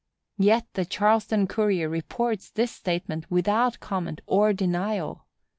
Yet the Charleston Courier reports this statement without comment or denial.